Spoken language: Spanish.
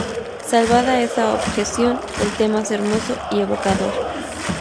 Salvada esa objeción, el tema es hermoso y evocador.